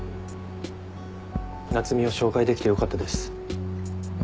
夏海を紹介できてよかったです。